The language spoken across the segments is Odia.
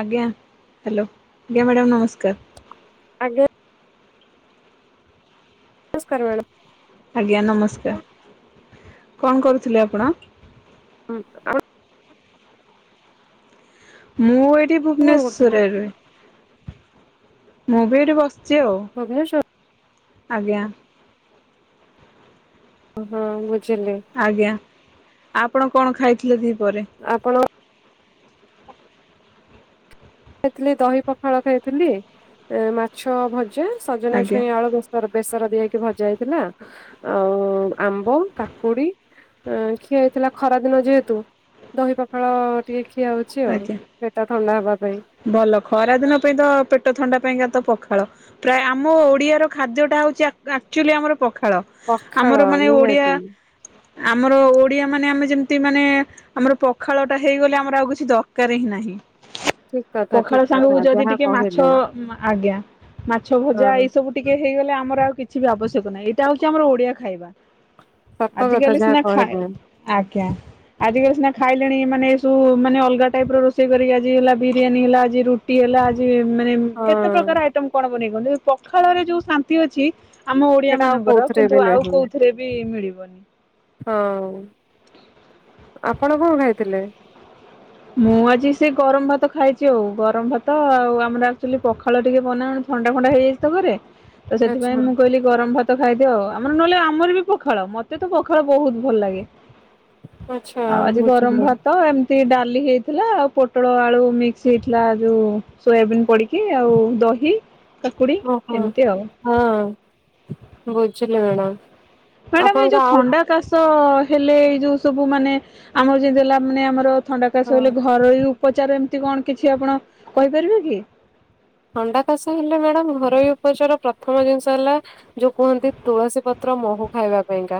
ଆଜ୍ଞା ହ୍ୟାଲୋ ଆଜ୍ଞା ମ୍ୟାଡ଼ାାମ ନମସ୍କାର। ଆଞ। ନମସ୍କାର ମ୍ୟାଡ଼ମ୍। ଆଜ୍ଞା ନମସ୍କାର କଣ କରୁଥିଲେ ଆପଣ? ହଁ ଆ ମୁଁ ଏ ଆପଣ କଣ କରୁଥିଲେ ଭୁବନେଶ୍ୱଵରରେ ମୁଁ ବି ଏଇଠି ବସି ଭୁବନେଶ୍ୱ ଆଜ୍ଞା। ହଁ ବ ଆଜ୍ଞା। ଆପଣ କଣ ଖାଇଥିଲେ ଦି ଆପଣ ଖାଇଥିଲି ଦହି ପଖାଳ ଖାଇଥିଲି ମାଛ ଭଜା ସଜନା ଆଜ୍ଞା ଛୁଇଁ ଆଳୁ ବ୍ୟସର ବେସର ଦିଆଇକି ଭଜା ହେଇଥିଲା ଆଉ ଆମ୍ବ କାକୁୁଡି ଖିଆ ହେଇଥିଲା ଖରା ଦିନ ଯେହେତୁ ଦହି ପଖାଳ ଟିକେ ଦେଖି ଆାଉଛି ଆଉ ଆଜ୍ଞା ପେଟା ଥଣ୍ଡା ହେବା ପାଇଁ। ଭଲ ଖରା ଦିନ ପାଇଁ ତ ପେଟ ଥଣ୍ଡା ପାଇଁକା ତ ପଖାଳ ପ୍ରାୟ ଆମ ଓଡିଆର ଖାଦ୍ୟ ଟା ହଉଛି ଆକ୍ଚୁଲି ଆମର ଖେଳ ପଖାଳ ଆମର ମାନେ ଓଡିଆ ନିହାତି ଆମର ଓଡିଆ ମାନେ ଆମେ ଯେମିତି ମାନେ ଆମର ପଖାଳ ଟା ହେଇଗଲେ ଆମର ଆଉ କିଛି ଦରକାର ହିଁ ନାହିଁ। ଠିକ କଥା ପଖାଳ ଠିକ କଥା ସାଙ୍ଗକୁ ଯଦି ଯାହା ଟିକେ ମାଛ କହିଲେ ଆଜ୍ଞା ମାଛ ଭଜା ହଁ ଏଇ ସବୁ ଟିକେ ହେଇଗଲେ ଆ ଆମର ଆଉ କିଛି ବି ଆବଶ୍ୟକ ନାହିଁ ଏଇଟା ହଉଛି ଆମର ଓଡିଆ ଖାଇବା। ସତ ଆଜି କଥା କାଲି ଯାହା ସିନା ଖାଇ କହିଲେ ଆା ଆଜିକାଲି ସିନା ଖାଇଲେଣି ମାନେ ଏସବୁ ମାନେ ଅ ଅଲଗା ଟାଇପ ରୋଷେଇ କରିକି ଆଜି ହେଲା ବିରିୟାନୀ ହେଲା ଆଜି ରୁଟି ହେଲା ଆଜି ମାନେ କେତେ ହଁ ପ୍ରକାର ଆଇଟମ୍ କଣ ନେଇଗଲେ ପଖାଳରେ ଯୋଉ ଶାନ୍ତି ଅଛି ଆମ ଓଡିଆ ସେଟା ଆଉ ମାନଙ୍କର କୋଉଥିରେ ବି କିନ୍ତୁ ଆଉ ନାହିଁ କୋଉଥିରେ ବି ମିଳିବ [unintelligible] ହଁ ଆପଣ କଣ ଖାଇଥିଲେ। ମୁଁ ଆଜି ସେ ଗରମ ଭାତ ଖାଇଛି ଆଉ ଗରମ ଭାତ ଆଉ ଆମର ଆୱେଲି ପଖାଳ ଟିକେ ବନା ଥଣ୍ଡା ଫଣ୍ଡା ହେଇଯାଇଛି ତ ଘରେ। ତ ଆଚ୍ଛା ସେଥିପାଇଁ ମୁଁ କହିଲି ଗରମ ଭାତ। ଖାଇଦିଅ ଆଉ ଆମର ନହେଲେ ଆମର ବି ପଖାଳ ମତେ ତ ପଖାଳ ବହୁତ ଭଲ ଲାଗେ। ଆଚ୍ଛା ଆଉ ଆଜି ଗରମ ବୁଝିଲି ଭାତ ଏମତିଡା। ଥିଲା ଆଉ ପୋଟଳ ଆଳୁ ମିକ୍ସ ହେଇଥିଲା ଯୋଉ ସୋୟାବିନ୍ ପଡିକି ଆଉ ଦହି। କାକୁଡ଼ି ଓହୋ ଏମତି ଆଉ। ହଁ ବୁଝିଲି ମ୍ୟାଡ଼ାମ। ମ୍ୟାଡାାମ ଏଇ ଆପଣଙ୍କ ଯୋଉ ଆଉ ଥଣ୍ଡା କାଶ। ହେଲେ ଏଜୌସବୁ ମାନେ ଆମର ହେଲା ମାନେ ଆମର। ଥଣ୍ଡା କାଶ ହଁ ହେଲେ ଘରୋଇ ଉପଚାର। କଣ କିଛି ଆପଣ କହିପାରିବେ କି। ଥଣ୍ଡା କାଶ ହେଲେ ମ୍ୟାଡାମ ଘରୋଇ ଉପଚାର ପ୍ରଥମ ଜିନିଷ ହେଲା ଯୋଉ କୁହନ୍ତି ତୁଳସୀ ପତ୍ର ମହୁ ଖାଇବା ପାଇଁକା।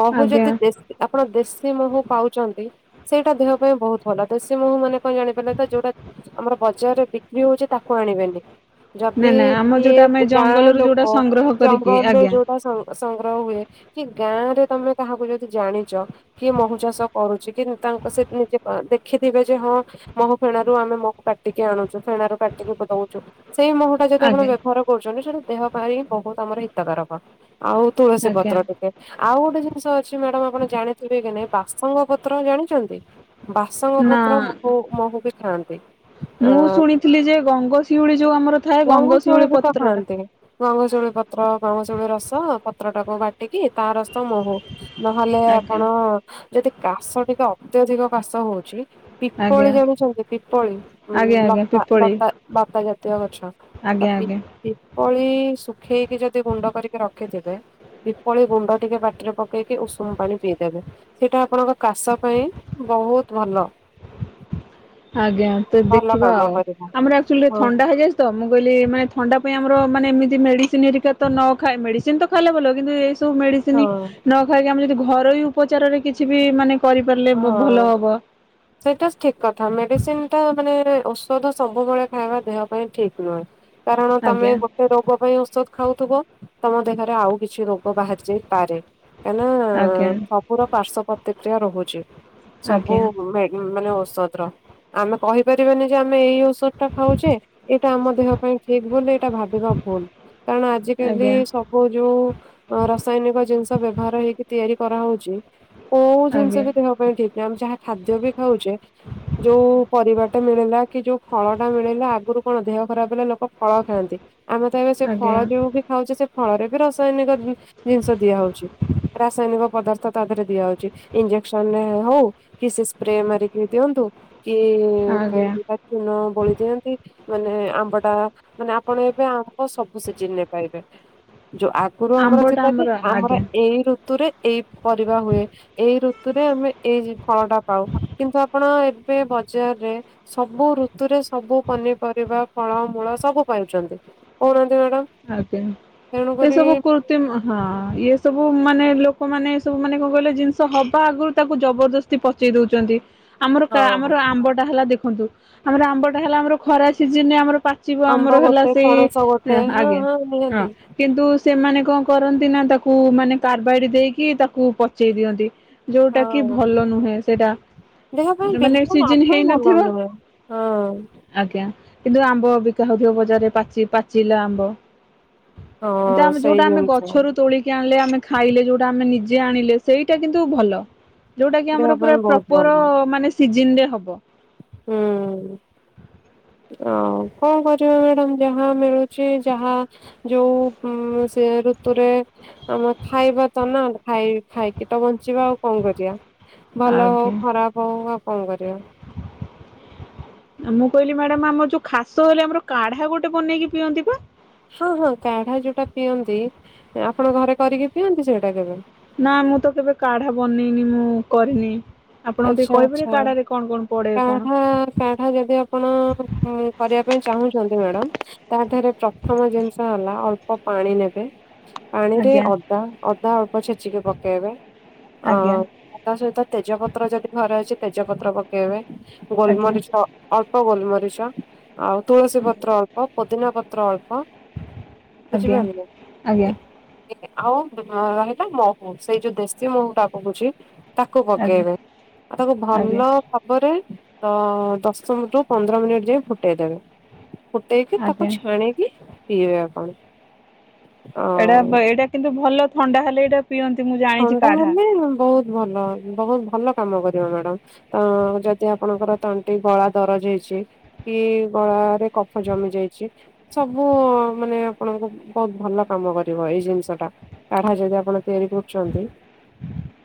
ମହୁ ଆଜ୍ଞା ଯଦି ଦେଶୀ ଆପଣ ଦେଶୀ ମହୁ ପାଉଛନ୍ତି। ସେଇଟା ଦେହ ପାଇଁ ବହୁତ ଭଲ ଦେଶୀ ମହୁ ମାନେ କଣ ଜାଣିପାରିଲେ ତ ଯୋଉଟା ଆମର ବଜାରରେ ବିକ୍ରି ହଉଛି ତା। କୁ ଆଣିବେନି। ନା ଯଦି ନା ଆମର ଯୋଉଟା କିଏ ଆମେ ଗାଁ ଜଙ୍ଗଲରୁ ଯୋଉଟା ଲୋକ ସଂଗ୍ରହ କରିକି ଜଙ୍ଗଲରୁ ଆଜ୍ଞା ଯୋଉଟା ସଂଗ୍ରହ ହୁଏ କି ଗାଁ। ତମେ କାହାକୁ ଯଦି ଜାଣିଛ କି ମହୁ ଚାଷ କରୁଛି କି ତା ସେ ନିଜେ ଦେଖିଥିବେ ଯେ ହଁ ମହୁ ଫେଣାରୁ ଆମେ ମହୁ କାଟିକି ଆଣୁଛୁ ଫେଣାରୁ କା। [unintelligible] ସେଇ ମୋହୁଟା ଯଦି ଆପଣ ଆଜ୍ଞା ବ୍ୟବହାର କରୁଛନ୍ତି ସେଟା। ଦେହ ପାଇଁ ବହୁତ ଆମର ହିତକାରକ। ଆଉ ତୁଳସୀ ଆଜ୍ଞା ପତ୍ର ଟିକେ। ଆଉ ଗୋଟେ ଜିନିଷ ଅଛି ମ୍ୟାଡାମ ଆପଣ ଜାଣିଥିବେ କି ନାଇଁ ବାସଙ୍ଗ ପତ୍ର ଜାଣିଛନ୍ତି। ବାସଙ୍ଗ ନା ପତ୍ର ମୋହୁ ମୋହୁ ବି ଥାଆନ୍ତି ଅ। ମୁଁ ଶୁଣିଥିଲି ଯେ ଗଙ୍ଗଶିଉଳି ଯୋଉ ଆମର ଥାଏ ଗଙ୍ଗଚଉଳି ଗଙ୍ଗଶିଉଳି ବି ତ ପତ୍ରଟା ଖାଆନ୍ତି ଗଙ୍ଗଶିଉଳି ପତ୍ର ଗଙ୍ଗଶିଉଳି ରସ। ପତ୍ର ଟାକୁ ବା। ଟିକି ତା ରସ ମହୁ ନହେଲେ ଆଜ୍ଞା ଆପଣ। ଯଦି କାଶ ଟିକେ ଅତ୍ୟଧିକ କାଶ ହଉଛି। ଆଜ୍ଞା ପିପଳି ଜାଣିଛନ୍ତି ପିପଳି ମାନେ ଆଜ୍ଞା ଆଜ୍ଞା ଲଫା ପିପଳି ଲ। ବାପା ଜାତୀୟ ଗଛ ତ ଆଜ୍ଞା ଆଜ୍ଞା ପିପଳି ଶୁଖେଇକି ଯଦି ଗୁଣ୍ଡ କରିକି ର ରଖିଥିବେ ବିପଳି ଗୁଣ୍ଡ ଟିକେ ପାଟିରେ ପକେଇକି ଉଷୁମ ପାଣି ପିଇଦେବେ ସେଇଟା ଆପଣଙ୍କ କାଶ ପାଇଁ ବହୁତ ଭଲ। ଆଜ୍ଞା ତ ଭଲ ଦେଖିବା କାମ ଆଉ। କରିବ। ଆମର ଆଚ୍ୱେଲି ହଁ ଥଣ୍ଡା ହେଇଯାଛି ତ ମୁଁ କହିଲି ଥଣ୍ଡା। ଆମର ମାନେ ଏମତି ମେଡିସିନ ହେରିକା ନ ମେଡିସିନ ତ ଖାଇଲେ ଭଲ କିନ୍ତୁ ମେଡିସିନ ହଁ ନ ଖାଇକି ଆମେ ଯଦି ଘରୋଇ ଉପଚାରରେ କିଛି ବି ମାନେ କରିପାରିଲେ ଭଲ ହଁ ହବ ସେଇଟା ଠିକ କଥା। ମେ [inaudible] ଟା ମାନେ ଔଷଧ ସବୁବେଳେ ଖାଇବା ଦେହ ପାଇଁ ଠିକ ନୁହେଁ। କାରଣ ତମେ ଆଜ୍ଞା ଗୋଟେ ରୋଗ ପାଇଁ ଔଷଧ ଖାଉଥିବ ତମ ଦେଖରେ ଆଉ କିଛି ରୋଗ ଗ ବାହାରଚି ଯାଇ ପାରେ କାହିଁକିନା ଆଜ୍ଞା ସବୁର ପାର୍ଶ୍ୱ ପ୍ରତି ସେଇୟା ରୋହୁ ଚି। ସବୁ ଆଜ୍ଞା ମେ-ମାନେ ଔଷତ୍ର। ଆମେ କହିପାରିବନି ଯେ ଆମେ ଏଇ ଔଷଧ ଟା ଖାଉଛେ ଏଇଟା ଆମ ଦେହ ପାଇଁ ଠିକ ବୋଲି ଏଇଟା ଭାବିବା ଭୁଲ କାରଣ ଆଜିିକାଲି ଆଜ୍ଞା ସବୁ ଯୋଉ ରାସାୟନିକ ଜିନିଷ ବ୍ୟବହାର ହେଇକି ତିଆରି କରାହଉଛି କୋଉ ଜିନିଷ ଆଜ୍ଞା ଆମେ ଯାହା ଖାଦ୍ୟ ବି ଖାଉଛେ ଯୋଉ ପରିବାଟା ମିଳିଲା କି ଯୋଉ ଫଳ ଟା ମିଳିଲା ଆଗରୁ କଣ ଦେହ ଖରାପ ହେଲେ ଫଳ ଖାଆନ୍ତି ଆମେ ତ ଏବେ ସେ ଫଳ ଆଜ୍ଞା ଯୋଉ ବି ଖାଉଛେ ସେ ଫଳରେ ବି ରାସାୟନିକ ଜିନିଷ ଦିଆହଉଛି ରାସାୟନିକ ପଦାର୍ଥ ତା ଦେହରେ ଦିଆହଉଛି ଇଞ୍ଜେ କ୍ସନ୍ ହଉ କିଛି ସ୍ପ୍ରେ ମାରିକି ଦିଅନ୍ତୁ ଆଜ୍ଞା କିଏ ଚୂଣ ବଳି ଦିଅନ୍ତି ମାନେ ଆମ୍ବଟା ମାନେ ଆପଣ ଏବେ ଆମ୍ବ ସବୁ ସିଜିନରେ ପାଇବେ। ଯୋଉ ଆଗରୁ ଆମର ଆମ୍ବଟା ଯେଥିଲା କି ଆମର ଆଜ୍ଞା ଏଇ ଋୁ ଋତୁରେ ଏଇ ପରିବା ହୁଏ ଏଇ ଋତୁ ଋତୁରେ ଆମେ ଏଇ ଫଳଟା ପାଉ କିନ୍ତୁ ଆପଣ ଏବେ ବଜାରରେ ସବୁ ଋତୁରେ ସବୁ ପନିପରିବା ଫଳ ମୂଳ ସବୁ ପାଉଛନ୍ତି କୌଣ ଆଜ୍ଞା ଏ ସବୁ କୁର୍ତ ହଁ ସବୁ ମାନେ ଲୋକମାନେ ସବୁ ମାନେ କଣ କହିଲେ ଜିନିଷ ହବା ଆଗରୁ ତାକୁ ଜବରଦସ୍ତି ପଚେଇ ଦଉଛନ୍ତି। ଆମର କା ଆମର ହଁ ଆମ୍ବଟା ହେଲା ଦେଖୁ ନ୍ତୁ ଆମର ଆମ୍ବ ଟା ହେଲା ଆମର ଖରା ସିଜନ ଆମର ପାଚିବ ଆମର ଆମ୍ବ ହେଲା ଗୋଟେ ସେଇ ପଣସ ଗୋଟେ ହଁ ଆଜ୍ଞା ହଁ ନିହାତି କିନ୍ତୁ ସେମାନେ କଣ କରନ୍ତି ନା ତାକୁ ମାନେ କାରବାଡି ଦେଇକି ତାକୁ ପଚେଇ ଦିଅନ୍ତି। ଯୋଉଟା କି ହଁ। ଭଲ ନୁହେଁ ସେଟା ଦେହ ପାଇଁ ମାନେ ବିଲକୁଲ ସିଜିନ୍ ଆଦୌ ଭଲ ହେଇନଥିବ ନୁହେଁ। ହଁ ଆଜ୍ଞା କିନ୍ତୁ ଆମ୍ବ ବିକା ହଉଥିବ ବଜାରରେ ପାଚିଲା ଆ ବ। ଏ ହଁ ଆମେ ସେଇ ଯୋଉଟା ଆମେ ଜିନିଷ ଗଛରୁ ତୋଳିକି ଆଣିଲେ ଆମେ ଖାଇଲେ ଯୋଉଟା ଆମେ ନିଜେ ଆଣିଲେ। ସେଇଟା କିନ୍ତୁ ଭଲ। ଯୋଉଟା କି ଦେହ ଆମର ପୁରା ପାଇଁ ବହୁତ ଭଲ ପ୍ରପର ମାନେ। ସିଜିନରେ ହବ। ହୁଁ ଆଉ କଣ କରିବା ମ୍ୟାଡାମ ଯାହା ମିଳୁଛି ଯାହା ଯୋଉ ସେ ଋତୁରେ ଆମେ ଖାଇବା ତ ନାାଇ ଖାଇକି ତ ବଞ୍ଚିବା ଆଉ କଣ କରିବା? ଭଲ ହଉ ଆଜ୍ଞା ଖରାପ ହଉ। କଣ କରିବା? ମୁଁ କହିଲି, ମ୍ୟାଡାମ ଆମର ଯୋଉ ଖାସ ହେଲେ ଆମର କାଢା ଗୋଟେ ବନେଇକି ପିଅନ୍ତି ବା? ହଁ ହଁ କାଢା ଯୋଉଟା ପିଅନ୍ତି ଆପଣଙ୍କ ଘରେ କରିକି ପିଅନ୍ତି ସେଇଟା କେବେ? ନା ମୁଁ ତ କେବେ କାଢା ବନେଇନି ମୁଁ କରିନି। ଆପଣ ଟିକେ ଆଚ୍ଛା କହିପାରିବେ ଆଚ୍ଛା କାଢା ରେ କଣ କଣ? ପଡେ କଣ? କାଢା କାଢା ଯଦି ଆପଣ କରିବା ପାଇଁ ଚାହୁଁଛନ୍ତି ମ୍ୟାଡାମ୍ ତାଠରେ ପ୍ରଥମ ଜିନିଷ ହେଲା। ଅଳ୍ପ ପାଣି ନେବେ। ପାଣିରେ ଆଜ୍ଞା ଅଦା ଅଦା ଅଳ୍ପ ଛେଚିକି ପକେଇବେ ଆଜ୍ଞା ଅଁ ଅଦା ସହିତ ତେଜପତ୍ର ଯଦି ଘରେ ଅଛି। ତେଜପତ୍ର ପ କେବେ? ଆଜ୍ଞା ଗୋଲମରିଚ ଆ ଗୋଲମରିଚ। ଆଉ ତୁଳସୀ ପତ୍ର ଅଳ୍ପ ପୋ ପୋଦିନାପତ୍ର ଅଳ ହ [inaudible] ଆଜ୍ଞା ବୁଝିପାରିଲ? ଆଜ୍ଞା ଆଜ୍ଞା ଏମି ଆଉ ରହିଲା ମହୁ। ସେଇ ଯୋଉ ଦେଶୀ ମହୁ ଟା କହୁଛି। ତାକୁ ଆଜ୍ଞା ପକେଇବେ। ଆଉ ତାକୁ ଭଲ ଆଜ୍ଞା ତ ଦଶ ରୁ ପନ୍ଦର ମିନିଟ ଯାଏ ଫୁଟେଇଦବେ। ଫୁଟେଇକି ତାକୁ ଆଜ୍ଞା। ଛାଣିକି ପିଇବେ ଆପଣ? ଆଉ ଏଇଟା ଏଇଟା କିନ୍ତୁ ଭଲ ଥଣ୍ଡା ହେଲେ ଏଇଟା ପିଅନ୍ତି ମୁଁ ଜାଣିଛି ଥଣ୍ଡା କାଢା। ହେଲେ, ବହୁତ ଭଲ। ବହୁତ ଭଲ। କାମ କରିବ ମ୍ୟାଡମ ତ ଯଦି ଆପଣଙ୍କର ତଣ୍ଟି ଗଳା ଦରଜ ହେଇଛି କି ଗଳାରେ କଫ ଜମି ଯାଇଛି। ସବୁ ମାନେ ଆପଣଙ୍କୁ ବହୁତ ଭଲ କାମ କରିବ। ହୁଁ ଏଇ ଜିନିଷ ଟା କାଢା ଯଦି ଆପଣ ତିଆରି କରୁ। ଜଲ୍ଦି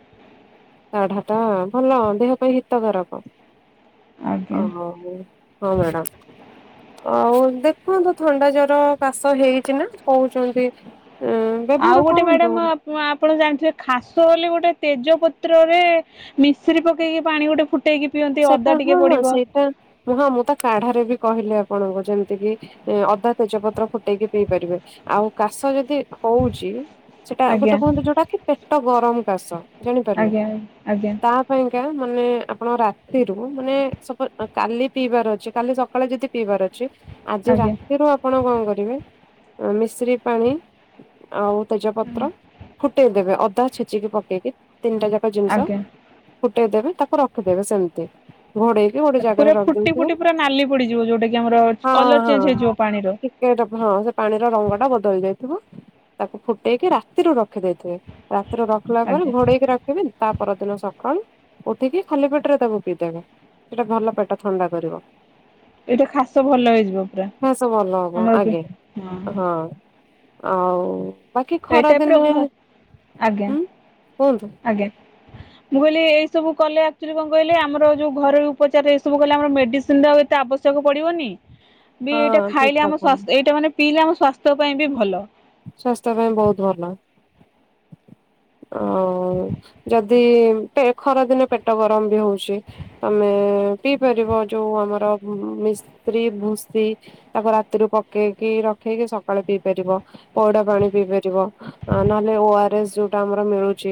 [inaudible] କାଢା ଟା ଭଲ। ଦେହ ପାଇଁ ହିତକାରକ। ଆଜ୍ଞା। ହଁ, ହଁ ମ୍ୟାଡ଼ାମ୍ ଆଉ। ଦେଖନ୍ତୁ ଥଣ୍ଡା ଜର କାଶ ହେଇଛି ନା କହୁଛନ୍ତି। ଉଁ ବ୍ୟବହାର ଆଉ ଗୋଟେ କରନ୍ତୁ ମ୍ୟାଡାମ ଆପଣ ଜାଣିଥିବେ? ଖାସ ହେଲେ ଗୋଟେ ତେଜ ପତ୍ରରେ ମିଶ୍ରି ପକେଇକି ପାଣି ଗୋଟେ ଫୁ ସେଇଟା ହଁ। ସେଇଟା ହଁ ମୁଁ ତ କାଢାରେ ବି କହିଲି ଆ ଆପଣଙ୍କ ଯେମିତି କିି ଅଦା ତେଜପତ୍ର ଫୁଟେଇକି ପିଇ ପାରିବେ। ଆଉ କାଶ ଯଦି ହଉଛି। ସେଟା ଗୋଟେ ଆଜ୍ଞା। କୁହନ୍ତି ଯୋଉଟା କି ପେଟ ଗରମ କାସ। ଜାଣିପାରିଲେ ଆଜ୍ଞା ଆଜ୍ଞା ତା ପାଇଁକା ମାନେ ଆପଣ ରା ଏରୁ ମାନେ ସପଜ୍ କାଲି ପିଇବାର ଅଛି କାଲି ସକାଳେ ଯଦି ପିଇବାର ଅଛି। ଆଜି ଆଜ୍ଞା ରାତିରୁ ଆପଣ କଣ କରିବେ? ମିଶ୍ରି ପାଣି ଆଉ ତେଜପତ୍ର ଫୁଟେଇଦବେ ଅଦା। ଛେଚିକି ପକେଇବେ? ତିନିଟା ଯାକ ଜିନିଷ ଆଜ୍ଞା। ଫୁଟେଇଦବେ ତାକୁ ରଖିଦେବେ ସେମ୍ ଘୋଡେଇକି ଗୋଟେ ଜାଗାରେ ପୁରା ଫୁଟି ରଖିଦେଇଥିବେ। ଫୁଟି ପୁରା ନାଲି ପଡିଯିବ ଯୋଉଟା କି ଆମର [inaudible] ହଁ କଲର ଚେଞ୍ଜ ହଁ ହେଇଯିବ ପାଣିର। ଟିକେ ହଁ ସେ ପାଣିର ରଙ୍ଗ ଟା ବଦଳି ଯାଇଥିବ। ତାକୁ ଫୁଟେଇକି ରାତିରୁ ରଖି ଦେଇେଇଥିବେ ରା ତ୍ର ରଖିଲା ପରେ ଆଜ୍ଞା ଘୋଡେଇକି ରଖିବେ ତା ପରଦିନ ସକାଳୁ ଉଠିକି ଖାଲି ପେଟରେ ତାକୁ ପିଇ ଦେବେ ସେଟା ଭଲ ପେଟ ଥଣ୍ଡା କରିବ। ଏଇଟା ଖାସ ଭଲ ହେଇଯିବ ପୁରା ଖାସ ଭଲ ହବ ଆମର ଆଗେ ହଁ। ହଁ ଆଉ ବାକି ଏଇ ଟାଇପ ର ଖରାଦିନେ ଘ ଆଜ୍ଞା ଉଁ? ଆଜ୍ଞା। ମୁଁ କହିଲି ଏଇ ସବୁ କଲେ ଆକଚୁଲି କଣ କହିଲେ ଆମର ଯୋଉ ଘରୋଇ ଉପଚାରରେ ଏଇ ସବୁ କହିଲେ ଆମର ମେଡିସିନ୍ ର ଆଉ ଏତେ ଆବଶ୍ୟକ ପଡିବନି। ବି ହଁ ଏଇଟା ଠିକ ଖାଇଲେ ଆମ କଥା ଶ୍ୱାସ ଏଇଟା ମାନେ ପିଇଲେ ଆମ ଶ୍ୱା ସ୍ୱାସ୍ଥ୍ୟ ପାଇଁ ବି ଭଲ। ସ୍ୱାସ୍ଥ୍ୟ ପାଇଁ ବୋହୁତ ଭଲ। ଆଉ ଯଦି ତେ ଖରାଦିନେ ପେଟ ଗରମ ବି ହୋଉଛି ତମେ ପିଇ ପାରିବ ଯୋଉ ଆମର ମିସ୍ରି ଭୁସି ତାକୁ ରାତିରୁ ପକେଇକି ରଖେଇକି ସକାଳେ ପିଇ ପାରିବ। ପଉଡା ପାଣି ପିଇ ପାରିବ ନହେଲେ ଓ ଆର ଏସ୍ ଯୋଉଟା ଆମର ମିଳୁଛି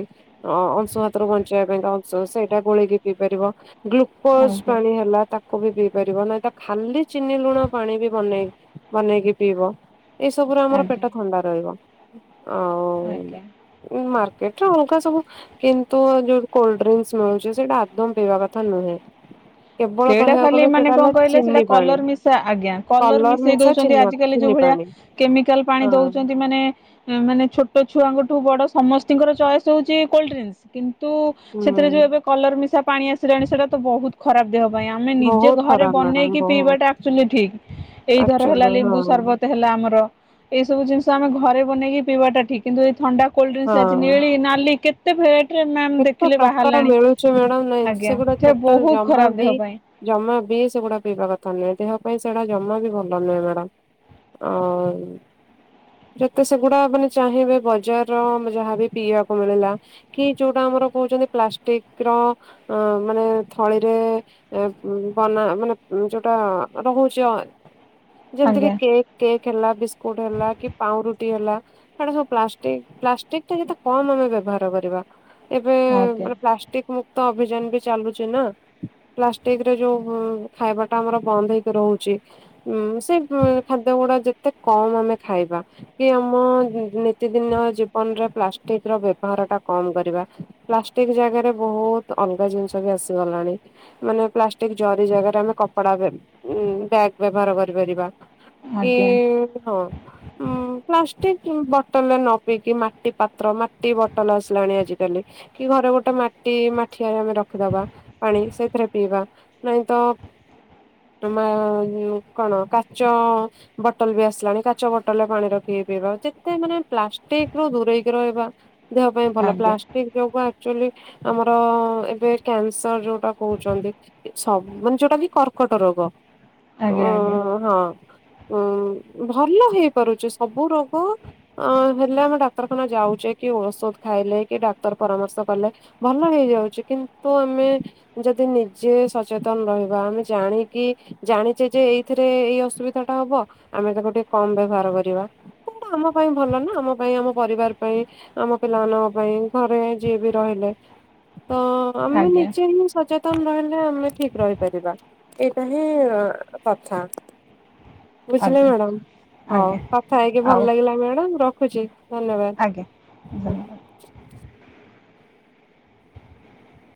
ଅଂଶୁ ଘାତରୁ ବଞ୍ଚେଇବା ପାଇଁ ସେଇଟା ଗୋଳେଇକି ପିଇ ପାରିବ। ଗ୍ଲୁକୋଜ ଆଜ୍ଞା ପାଣି ହେଲା ତାକୁ ବି ପି କରିବା ନାଇଁ ତ ଖାଲି ଚିନି ଲୁଣ ପାଣି ବି ବନେଇ ବନେଇକି ପିଇବ ଏଇସବୁରେ ଆମର ପେ ଆଜ୍ଞା ଥଣ୍ଡା ରହିବ। ଆଜ୍ଞା। ଆଉ ମାର ଏଠୁ ଅଲଗା ସବୁ କିନ୍ତୁ ଯୋଉଠି କୋଲ୍ଡ ଡ୍ରୀଙ୍କସ୍ ମିଳୁଛି ସେଇଟା ଆଦୌ ପିଇବା କଥା ନୁହେଁ କେବଳ ସେଇଟା କହିବାକୁ ଖାଲି ଗଲେ ମାନେ ସେଇଟା କଣ ହେଲା କହିଲେ ସେଇଟା ଚିନି ପାଣି କଲର୍ ମିଶା ଆଜ୍ଞା କଲର୍ କଲର ମିଶେଇ ମିଶା ଦଉଛନ୍ତି ଚିନି ଆଜ କାଲି ଯୋଉ ଚିନି ଭଳିଆ ପାଣି। କେମିକାଲ୍ ପାଣି ହଁ ଦଉଛନ୍ତି ମାନେ ମାନେ ଛୋଟ ଛୁଆଙ୍କଠୁ ବଡ ସମସ୍ତିଙ୍କର ଚଏସ୍ ହେଉଛି କୋଲ୍ଡ ଡ୍ରିଙ୍କସ୍ କିନ୍ତୁ ତୁ ସେଥିରେ ହୁଁ ଯୋଉ ଏବେ କଲର ମିଶା ପାଣି ଆସିଲାଣି ସେଇଟା ତ ବହୁତ ଖରାପ। ଦେହ ପାଇଁ ଆମେ ନିଜେ ବହୁତ ଘରେ ଖରାପ ମ୍ୟାଡାମ ବନେଇକି ବହୁତ ପିଇବାଟା ଆକ୍ଚୁଲି ଠିକ ଏଇ ଧର ହେଲା ଆକ୍ଚୁଆଲି ଲେମ୍ବୁ ହଁ। ସରବତ ହେଲା ଆମର ଏଇ ସବୁ ଜିନିଷ ଆମେ ଘରେ ବନେଇକି ପିଇବାଟା ଠିକ୍ କିନ୍ତୁ ଏ ଥଣ୍ଡା କୋଲଡ୍ରିଙ୍କସ ଅଛି ନେଳି ନାଲି କେତେ ଭେରାଇଟ ଏତେ ପ୍ରକାର ମିଳୁଛି ମ୍ୟାଡାମ୍ ନାଁ ଆଜ୍ଞା ସେଗୁଡା ସେ ବହୁତ ଟୋଟାଲ ଖରାପ ବି ଦେହ ପାଇଁ ଜମା ବି ସେଗୁଡା ପିଇବା କଥା ନୁହେଁ ଦେହ ପାଇଁ ସେଟା ଜମା ବି ଭଲ ନୁହେଁ ମ୍ୟାଡ଼ାମ ଆଉ ଯେତେ ସେଗୁଡା ମାନେ ଚାହିଁବେ ବଜାରର ଯାହାବ ପିଇବାକୁ ମିଳିଲା କି ଯୋଉଟା ଆମର କହୁଛନ୍ତି ପ୍ଲାଷ୍ଟିକ ର ମାନେ ଥଳିରେ ବନା ମାନେ ଯୋଉଟା ରହୁଛି ଯେମତି କି ଆଜ୍ଞା। କେକ୍ କେକ୍ ହେଲା ବିସ୍କୁଟ ହେଲା କି ପାଉଁରୁଟି ହେଲା ସେଇଟା ସବୁ ପ୍ଲାଷ୍ଟିକ ପ୍ଲାଷ୍ଟିକ ଟା ଯେତେ କମ ଆମେ ବ୍ୟବହାର କରିବା। ଏବେ ଆଜ୍ଞା ପ୍ଲାଷ୍ଟିକ ତ ଅଭିଯାନ ବି ଚାଲୁଚି ନା ପ୍ଲାଷ୍ଟିକ ରେ ଯୋଉ ଖାଇବାଟା ଆମର ବନ୍ଦ ହେଇକି ରହୁଚି ସେ ଖାଦ୍ୟ ଗୁଡା ଯେତେ ଏତେ କମ ଆମେ ଖାଇବା କି ଆମ ନିତିଦିନ ଜୀବନରେ ପ୍ଲାଷ୍ଟିକ ର ବ୍ୟବହାର ଟା କମ କରିବା ପ୍ଲାଷ୍ଟିକ ଜାଗାରେ ବହୁତ ଅଲଗା ଜିନିଷ ବି ଆସିଗଲାଣି ମାନେ ପ୍ଲାଷ୍ଟିକ ଜରି ଜାଗାରେ ଆମେ କପଡା ବ୍ୟାଗ ବ୍ୟବହାର କରିପାରିବା। ଏ ଆଜ୍ଞା ହଁ ପ୍ଲାଷ୍ଟିକ୍ ବୋଟଲ ରେ ନ ପିଇକି ମାଟି ପାତ୍ର ମାଟି ବଟଲ ଲାଣି ଆଜି କାଲି କି ଘରେ ଗୋଟେ ମାଟି ମାଠିଆରେ ଆମେ ରଖିଦବା ପାଣି ସେଇଥିରେ ପିଇବା ନାଇଁ ତ କଣ କାଚ ବୋଟଲ ବି ଆସିଲାଣି କାଚ ବୋଟଲ ରେ ପାଣି ରଖିକି ପିଇବା ଯେତେ ମାନେ ପ୍ଲାଷ୍ଟିକ ରୁ ଦୂରେଇକି ରହିବା ଦେହ ପାଇଁ ଭଲ ଆଜ୍ଞା ପ୍ଲାଷ୍ଟିକ ଦେହ କୁ ଆକ୍ଚୁଆଲି ଆମର ଏବେ କ୍ୟାନସର ଯୋଉଟା କହୁଚନ୍ତି ସବୁ ମାନେ ଯୋଉଟା କି କର୍କଟ ରୋଗ। ଅ ଆଜ୍ଞା ଆଜ୍ଞା। ହଁ ଉଁ ଭଲ ହେଇପାରୁଚି ସବୁ ରୋଗ ଅ ହେଲେ ଆମେ ଡାକ୍ତରଖାନା ଯାଉଚେ କି ଔଷଧ ଖାଇଲେ କି ଡାକ୍ତର ପରାମର୍ଶ କଲେ ଭଲ ହେଇଯାଉଚି କିନ୍ତୁ ଆମେ ଯଦି ନିଜେ ସଚେତନ ରହିବା ଆମେ ଜାଣିକି ଜାଣିଚେ ଯେ ଏଇଥିରେ ଏଇ ଅସୁବିଧା ଟା ହବ ଆମେ ତାକୁ ଟିକେ କମ ବ୍ୟବହାର କରିବା ସେଟା ଆମ ପାଇଁ ଭଲ ନା ଆମ ପାଇଁ ଆମ ପରିବାର ପାଇଁ ଆମ ପିଲାମାନଙ୍କ ପାଇଁ ଘରେ ଯିଏ ବି ରହିଲେ ତ ଆମେ ଆଜ୍ଞା ଆଜ୍ଞା ନିଜେ ହିଁ ସଚେତ ତନ୍ ରହିଲେ ଆମେ ଠିକ ରହିପାରିବା ଏଇଟା ହିଁ କଥା। ବୁଝିଲେ ଆଜ୍ଞା ମ୍ୟାଡାମ୍ ହଉ ଆଜ୍ଞା କଥା ହେଇକି ଭଲ ଆଉ ଲାଗିଲା ମ୍ୟାଡାମ୍ ର ରଖୁଛି। ଧନ୍ୟବାଦ। [unintelligible]